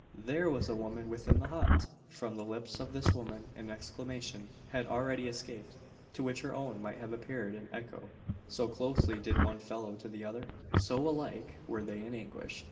There was a woman within the hut! From the lips of this woman an exclamation had already escaped, to which her own might have appeared an echo so closely did the one follow the other so alike were they in anguish.